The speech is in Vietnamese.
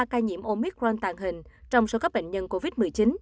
ba ca nhiễm omicron tàng hình trong số các bệnh nhân covid một mươi chín